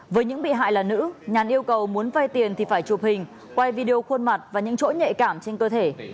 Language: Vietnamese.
với những bị hại là nữ nhàn yêu cầu muốn vay tiền thì phải chụp hình quay video khuôn mặt và những chỗ nhạy cảm trên cơ thể